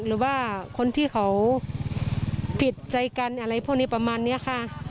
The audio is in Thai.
หรือว่าคนที่เขาผิดใจกันอะไรพวกนี้ประมาณนี้ค่ะ